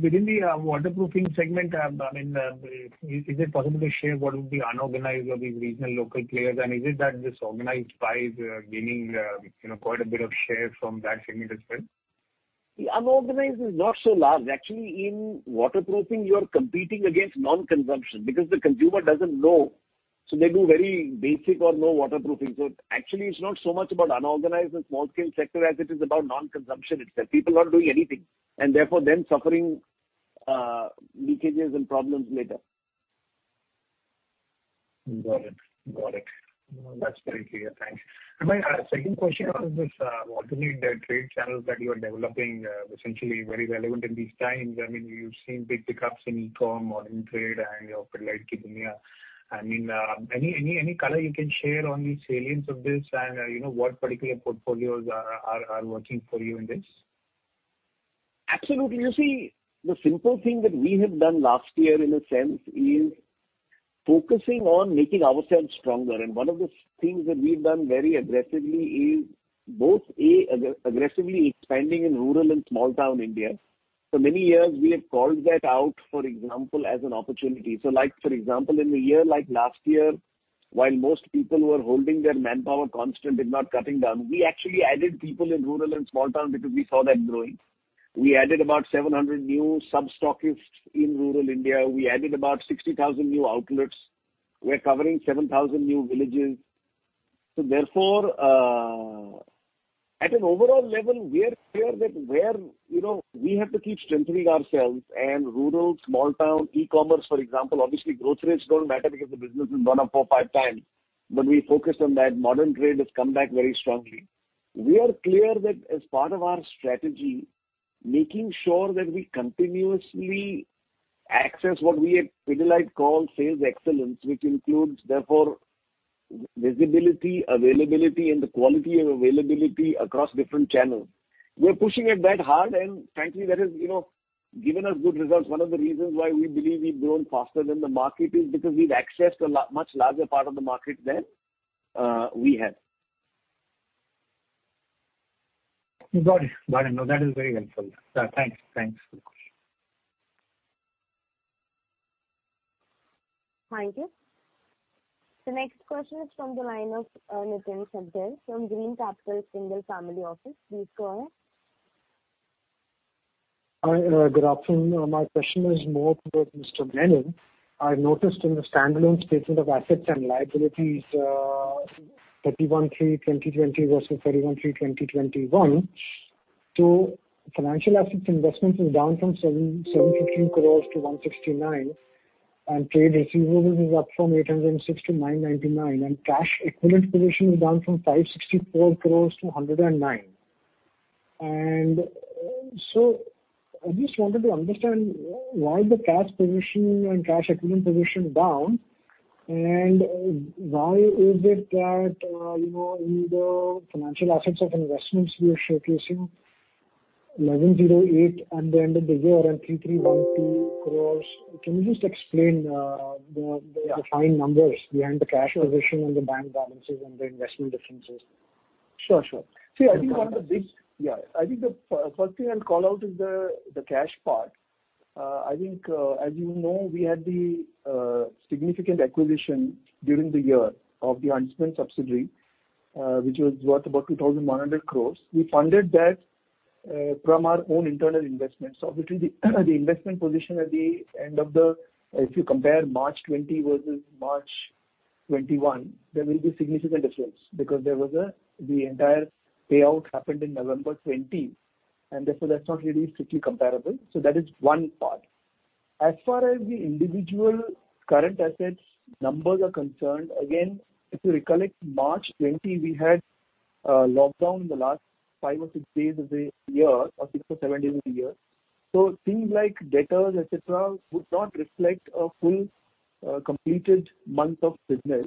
Within the waterproofing segment, is it possible to share what would be unorganized or these regional local players? Is it that this organized pie is gaining quite a bit of share from that segment as well? The unorganized is not so large. Actually, in waterproofing, you're competing against non-consumption because the consumer doesn't know. They do very basic or no waterproofing. Actually, it's not so much about unorganized and small-scale sector as it is about non-consumption itself. People not doing anything, and therefore then suffering leakages and problems later. Got it. That's very clear. Thanks. My second question was this alternate trade channels that you are developing essentially very relevant in these times. You've seen big pickups in e-com, modern trade and your Pidilite Ki Duniya. Any color you can share on the salience of this and what particular portfolios are working for you in this? Absolutely. You see, the simple thing that we have done last year in a sense is focusing on making ourselves stronger. One of the things that we've done very aggressively is both, A, aggressively expanding in rural and small town India. For many years, we have called that out, for example, as an opportunity. Like for example, in a year like last year, while most people were holding their manpower constant, if not cutting down, we actually added people in rural and small town because we saw that growing. We added about 700 new sub-stockists in rural India. We added about 60,000 new outlets. We're covering 7,000 new villages. Therefore, at an overall level, we are clear that we have to keep strengthening ourselves and rural, small town, e-commerce, for example. Obviously, growth rates don't matter because the business has gone up 4x, 5x. We focused on that. Modern trade has come back very strongly. We are clear that as part of our strategy, making sure that we continuously access what we at Pidilite call sales excellence, which includes, therefore, visibility, availability, and the quality of availability across different channels. We're pushing at that hard, and frankly, that has given us good results. One of the reasons why we believe we've grown faster than the market is because we've accessed a much larger part of the market than we had. Got it. No, that is very helpful. Thanks for the question. Thank you. The next question is from the line of Nitin Shakdher from Green Capital Single Family Office. Please go ahead. Hi, good afternoon. My question is more towards Mr. Menon. I noticed in the standalone statement of assets and liabilities 31/3/2020 versus 31/3/2021. Financial assets investments is down from 715 crore to 169 crore, trade receivables is up from 806 crore to 999 crore, cash equivalent position is down from 564 crore to 109 crore. I just wanted to understand why the cash position and cash equivalent position down, why is it that the financial assets of investments we are showcasing INR 1,108 crore at the end of the year INR 3,312 crore. Can you just explain the behind numbers behind the cash position and the bank balances and the investment differences? Sure. I think the first thing I'll call out is the cash part. I think, as you know, we had the significant acquisition during the year of the Huntsman subsidiary, which was worth about 2,100 crore. We funded that from our own internal investments. Obviously, the investment position at the end of, if you compare March 2020 versus March 2021, there will be significant difference because there was the entire payout happened in November 2020, therefore that's not really strictly comparable. That is one part. As far as the individual current assets numbers are concerned, again, if you recollect March 2020, we had lockdown in the last five or six days of the year, or six or seven days of the year. Things like debtors, et cetera, would not reflect a full completed month of business.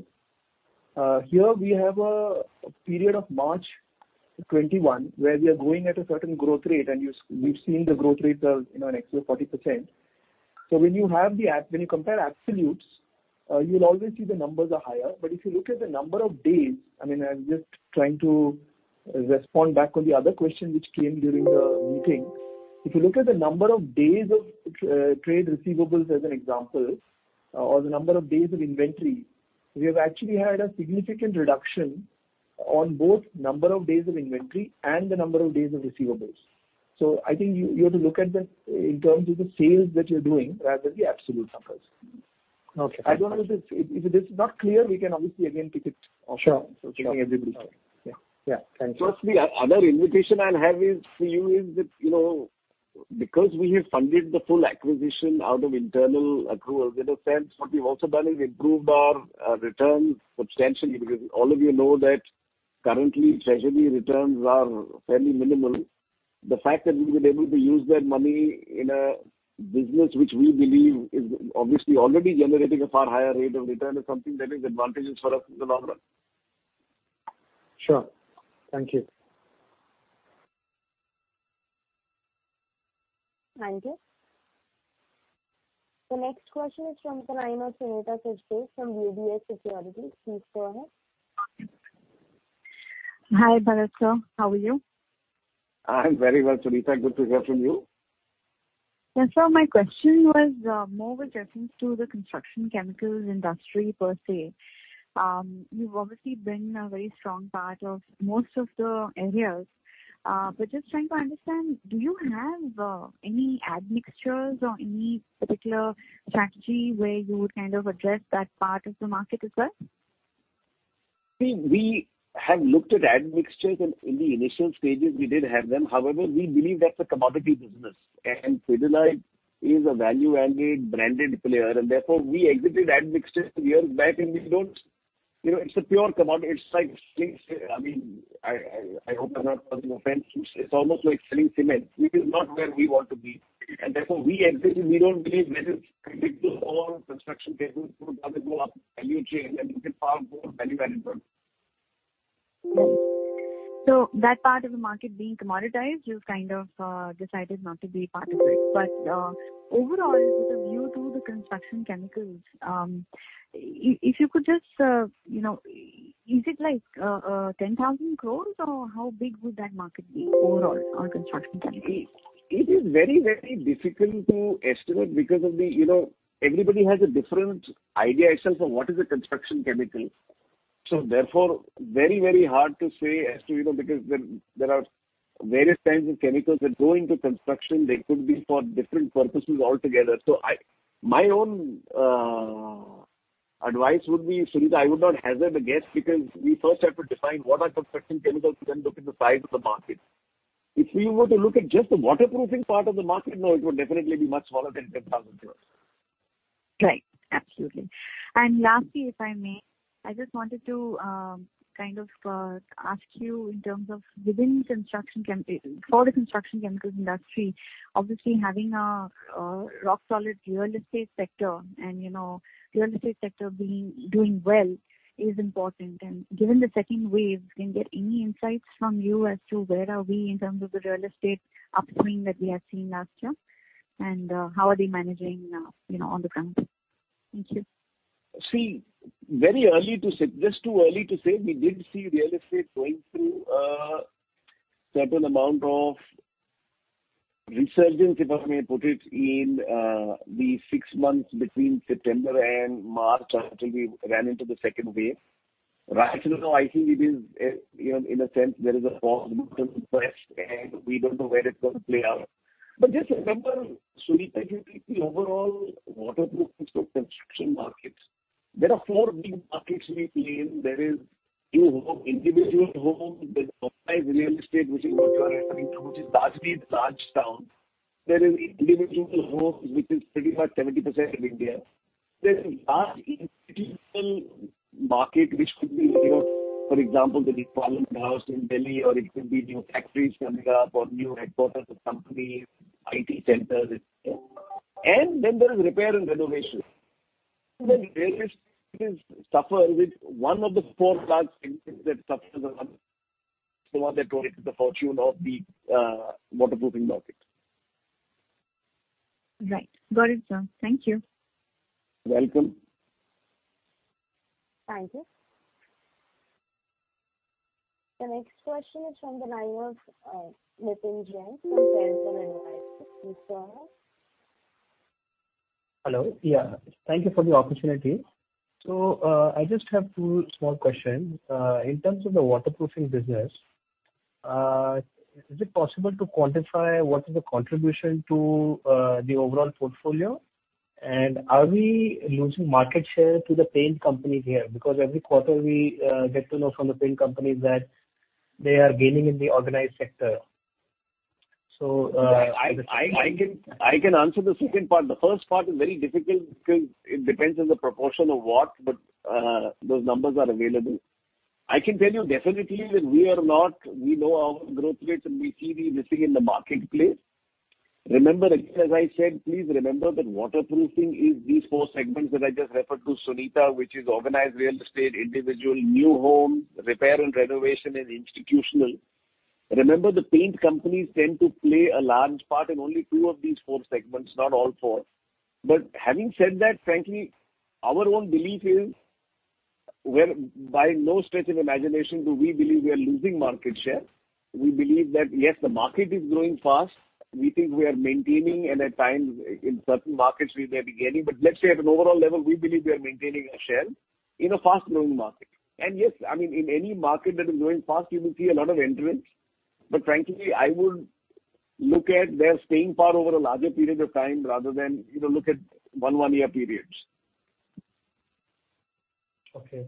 Here we have a period of March 2021 where we are growing at a certain growth rate and we've seen the growth rate of in excess of 40%. When you compare absolutes, you'll always see the numbers are higher. If you look at the number of days, I'm just trying to respond back on the other question which came during the meeting. If you look at the number of days of trade receivables as an example, or the number of days of inventory, we have actually had a significant reduction on both number of days of inventory and the number of days of receivables. I think you have to look at this in terms of the sales that you're doing rather the absolute numbers. Okay. If it is not clear, we can obviously again take it offline. Sure. Checking everybody. Yeah. Thank you. Firstly, other invitation I have is for you is that because we've funded the full acquisition out of internal accruals, in a sense what we've also done is improved our returns substantially because all of you know that currently treasury returns are fairly minimal. The fact that we've been able to use that money in a business which we believe is obviously already generating a far higher rate of return is something that is advantageous for us in the long run. Sure. Thank you. Thank you. The next question is from the line of Sunita Sachdev from UBS Securities. Please go ahead. Hi, Bharat sir. How are you? I'm very well, Sunita. Good to hear from you. Yes, sir. My question was more with reference to the construction chemicals industry per se. You've obviously been a very strong part of most of the areas. Just trying to understand, do you have any admixtures or any particular strategy where you would kind of address that part of the market as well? We have looked at admixtures. In the initial stages we did have them. However, we believe that's a commodity business and Pidilite is a value-added branded player. Therefore we exited admixtures years back. It's a pure commodity. I hope I'm not causing offense. It's almost like selling cement, which is not where we want to be. Therefore we exited. We don't believe this is critical to all construction chemicals. We would rather go up value chain and we get far more value added products. That part of the market being commoditized, you've kind of decided not to be part of it. Overall, with a view to the construction chemicals, is it like 10,000 crore or how big would that market be overall on construction chemicals? It is very difficult to estimate because everybody has a different idea itself of what is a construction chemical. Therefore very hard to say as to, because there are various kinds of chemicals that go into construction. They could be for different purposes altogether. My own advice would be, Sunita, I would not hazard a guess because we first have to define what are construction chemicals to then look at the size of the market. If we were to look at just the waterproofing part of the market, no, it would definitely be much smaller than 10,000 crore. Right. Absolutely. Lastly, if I may, I just wanted to kind of ask you in terms of for the construction chemicals industry, obviously having a rock solid real estate sector and real estate sector doing well is important. Given the second wave, can I get any insights from you as to where are we in terms of the real estate upstream that we had seen last year? How are they managing on the ground? Thank you. See, just too early to say. We did see real estate going through a certain amount of resurgence, if I may put it in the six months between September and March until we ran into the second wave. Right now, I think in a sense there is a pause button pressed and we don't know where it's going to play out. Just remember, Sunita, if you take the overall waterproofings of construction markets, there are four big markets we play in. There is new home, individual home, there's organized real estate, which is what you are referring to, which is largely large towns. There is individual homes which is pretty much 70% of India. There's a large institutional market which could be, for example, the Parliament House in Delhi, or it could be new factories coming up or new headquarters of companies, IT centers, etcetera. There is repair and renovation. Real estate suffers with one of the four large segments that suffers, the one that drives the fortune of the waterproofing market. Right. Got it, sir. Thank you. Welcome. Thank you. The next question is from the line of Nitin Jain from Fairview Advisor. Please go ahead. Hello. Yeah. Thank you for the opportunity. I just have two small questions. In terms of the waterproofing business, is it possible to quantify what is the contribution to the overall portfolio and are we losing market share to the paint companies here? Every quarter we get to know from the paint companies that they are gaining in the organized sector. I can answer the second part. The first part is very difficult because it depends on the proportion of what, but those numbers are available. I can tell you definitely that we know our growth rates and we see we're missing in the marketplace. Remember, again, as I said, please remember that waterproofing is these four segments that I just referred to, Sunita, which is organized real estate, individual new home, repair and renovation, and institutional. Remember, the paint companies tend to play a large part in only two of these four segments, not all four. Having said that, frankly, our own belief is, by no stretch of imagination do we believe we are losing market share. We believe that, yes, the market is growing fast. We think we are maintaining, and at times in certain markets we are gaining. Let's say at an overall level, we believe we are maintaining our share in a fast-growing market. Yes, in any market that is growing fast, you will see a lot of entrants. Frankly, I would look at their staying power over a larger period of time rather than look at one year periods. Okay.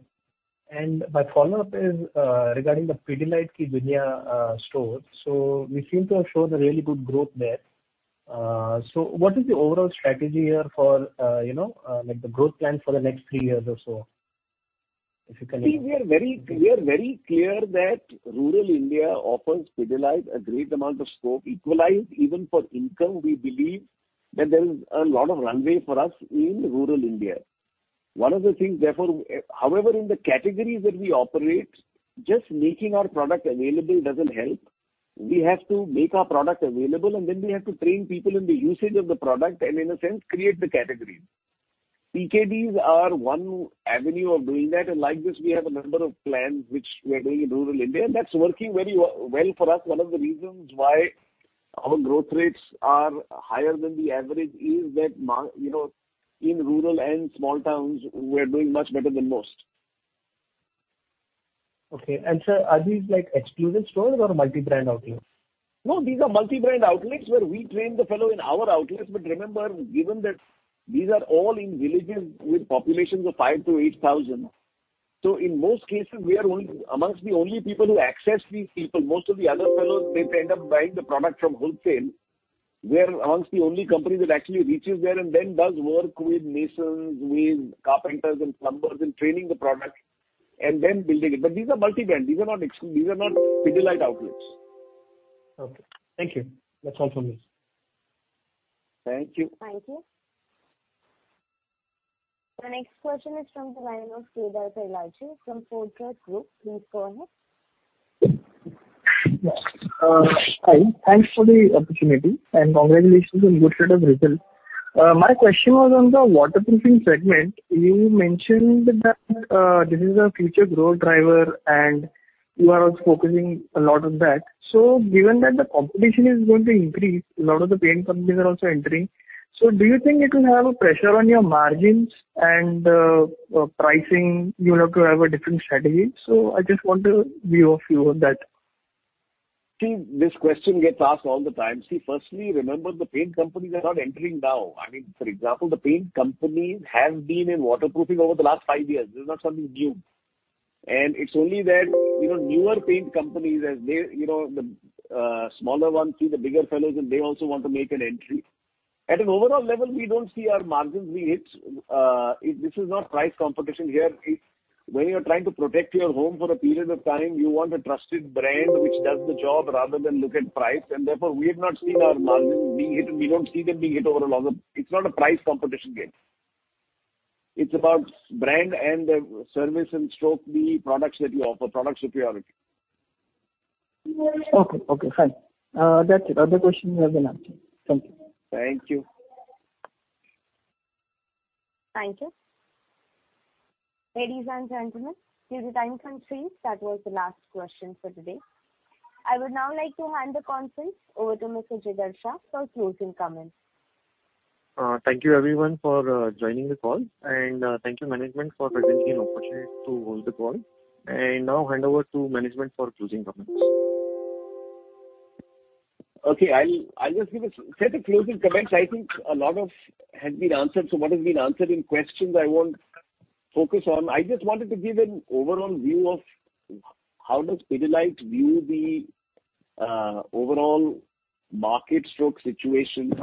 My follow-up is regarding the Pidilite Ki Duniya stores. We seem to have shown a really good growth there. What is the overall strategy here for the growth plan for the next three years or so? If you can. We are very clear that rural India offers Pidilite a great amount of scope, equalized even for income. We believe that there is a lot of runway for us in rural India. One of the things, therefore, however, in the categories that we operate, just making our product available doesn't help. We have to make our product available, then we have to train people in the usage of the product, in a sense, create the category. PKDs are one avenue of doing that, like this, we have a number of plans which we are doing in rural India, that's working very well for us. One of the reasons why our growth rates are higher than the average is that, in rural and small towns, we're doing much better than most. Okay. Sir, are these exclusive stores or multi-brand outlets? No, these are multi-brand outlets where we train the fellow in our outlets. Remember, given that these are all in villages with populations of 5,000-8,000, in most cases we are amongst the only people who access these people. Most of the other fellows, they end up buying the product from wholesale. We are amongst the only company that actually reaches there and then does work with masons, with carpenters and plumbers in training the product, and then building it. These are multi-brand. These are not exclusive. These are not Pidilite outlets. Okay. Thank you. That's all from me. Thank you. Thank you. The next question is from the line of Kedar Kailaje from Fortress Group. Please go ahead. Hi. Thanks for the opportunity, congratulations on good set of results. My question was on the waterproofing segment. You mentioned that this is a future growth driver, you are also focusing a lot on that. Given that the competition is going to increase, a lot of the paint companies are also entering. Do you think it will have a pressure on your margins and pricing, you'll have to have a different strategy? I just want your view on that. This question gets asked all the time. Firstly, remember the paint companies are not entering now. I mean, for example, the paint companies have been in waterproofing over the last five years. This is not something new. It's only that newer paint companies, the smaller ones, see the bigger fellows, and they also want to make an entry. At an overall level, we don't see our margins being hit. This is not price competition here. When you're trying to protect your home for a period of time, you want a trusted brand which does the job rather than look at price. Therefore, we have not seen our margins being hit, and we don't see them being hit overall. It's not a price competition game. It's about brand and service and stroke the products that you offer, product superiority. Okay, fine. That's it. Other questions have been answered. Thank you. Thank you. Thank you. Ladies and gentlemen, due to time constraints, that was the last question for today. I would now like to hand the conference over to Mr. Jigar Shah for closing comments. Thank you everyone for joining the call, and thank you management for presenting an opportunity to hold the call. Now hand over to management for closing comments. Okay. I'll just give a set of closing comments. I think a lot has been answered. What has been answered in questions I won't focus on. I just wanted to give an overall view of how does Pidilite view the overall market/situation.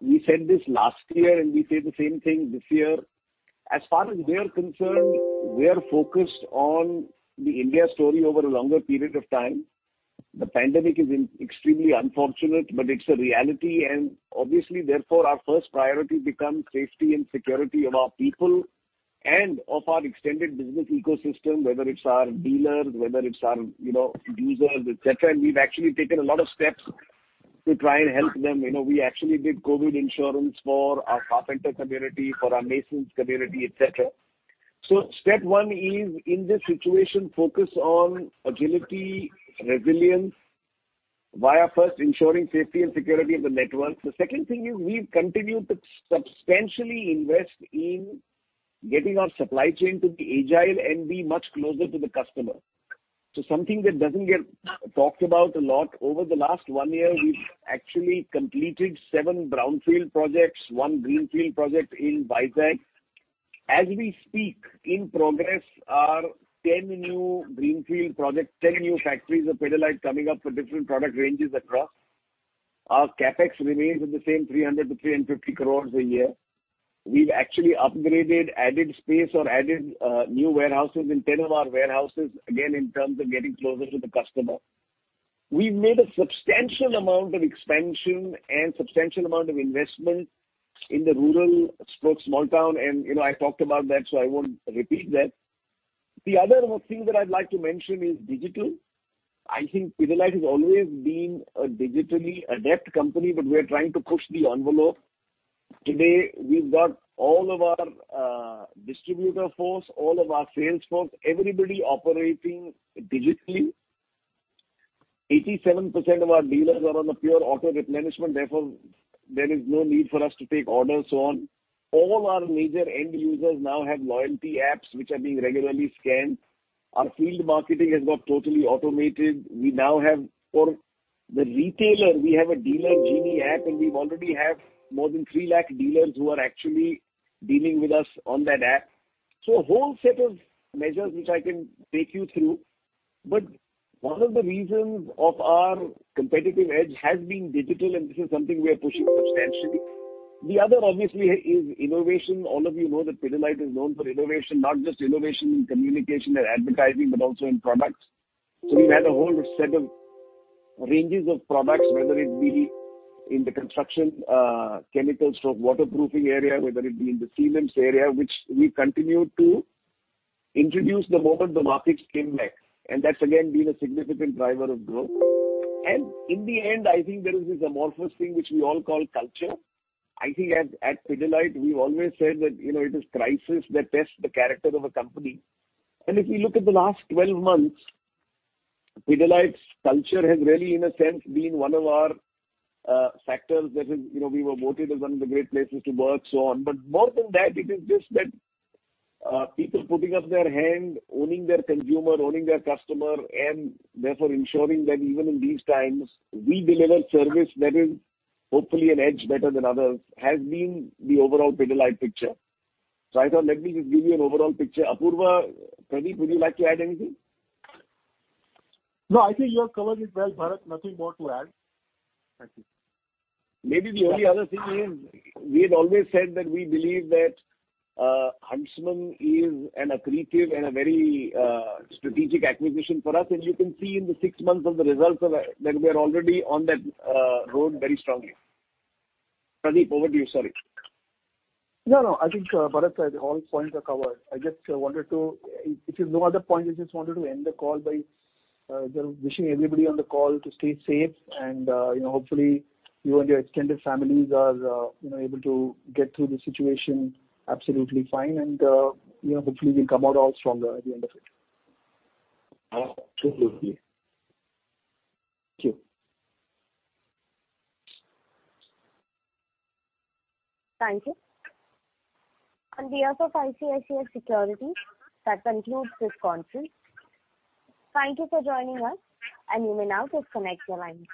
We said this last year. We say the same thing this year. As far as we're concerned, we're focused on the India story over a longer period of time. The pandemic is extremely unfortunate. It's a reality. Obviously therefore our first priority becomes safety and security of our people and of our extended business ecosystem, whether it's our dealers, whether it's our users, et cetera. We've actually taken a lot of steps to try and help them. We actually did COVID insurance for our carpenter community, for our masons community, et cetera. Step one is, in this situation, focus on agility, resilience, via first ensuring safety and security of the network. The second thing is we've continued to substantially invest in getting our supply chain to be agile and be much closer to the customer. Something that doesn't get talked about a lot, over the last one year, we've actually completed seven brownfield projects, one greenfield project in Vizag. As we speak, in progress are 10 new greenfield projects, 10 new factories of Pidilite coming up for different product ranges across. Our CapEx remains at the same 300 crore-350 crore a year. We've actually upgraded, added space or added new warehouses in 10 of our warehouses, again, in terms of getting closer to the customer. We've made a substantial amount of expansion and substantial amount of investment in the rural/small town. I talked about that, so I won't repeat that. The other thing that I'd like to mention is digital. I think Pidilite has always been a digitally adept company, but we are trying to push the envelope. Today, we've got all of our distributor force, all of our sales force, everybody operating digitally. 87% of our dealers are on a pure auto-replenishment, therefore, there is no need for us to take orders, so on. All our major end users now have loyalty apps which are being regularly scanned. Our field marketing has got totally automated. For the retailer, we have a Pidilite Genie app, and we already have more than 3,00,000 lakh dealers who are actually dealing with us on that app. A whole set of measures which I can take you through. One of the reasons of our competitive edge has been digital, and this is something we are pushing substantially. The other obviously is innovation. All of you know that Pidilite is known for innovation. Not just innovation in communication and advertising, but also in products. We've had a whole set of ranges of products, whether it be in the construction chemicals for waterproofing area, whether it be in the cements area, which we continue to introduce the moment the markets came back. That's again, been a significant driver of growth. In the end, I think there is this amorphous thing which we all call culture. I think at Pidilite, we've always said that it is crisis that tests the character of a company. If you look at the last 12 months, Pidilite's culture has really, in a sense, been one of our factors. We were voted as one of the great places to work, so on. More than that, it is just that people putting up their hand, owning their consumer, owning their customer, and therefore ensuring that even in these times, we deliver service that is hopefully an edge better than others, has been the overall Pidilite picture. I thought, let me just give you an overall picture. Apurva, Pradip, would you like to add anything? No, I think you have covered it well, Bharat. Nothing more to add. Thank you. The only other thing is, we had always said that we believe that Huntsman is an accretive and a very strategic acquisition for us, and you can see in the six months of the results that we're already on that road very strongly. Pradip, over to you. Sorry. I think, Bharat, all points are covered. If you've no other point, I just wanted to end the call by wishing everybody on the call to stay safe and, hopefully, you and your extended families are able to get through this situation absolutely fine and, hopefully, we come out all stronger at the end of it. Absolutely. Thank you. Thank you. On behalf of ICICI Securities, that concludes this conference. Thank you for joining us, and you may now disconnect your lines.